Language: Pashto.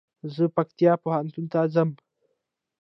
زه پکتيا پوهنتون ته ځم